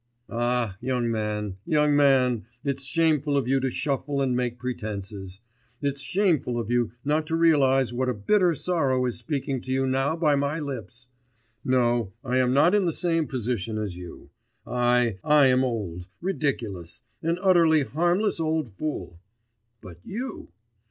Ah, young man, young man, it's shameful of you to shuffle and make pretences, it's shameful of you not to realise what a bitter sorrow is speaking to you now by my lips! No, I am not in the same position as you! I, I am old, ridiculous, an utterly harmless old fool but you!